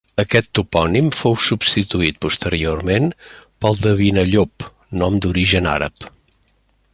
Aquest topònim fou substituït posteriorment pel de Vinallop, nom d'origen àrab.